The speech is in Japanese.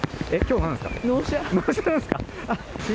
納車なんですか。